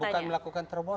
bukan melakukan terobosan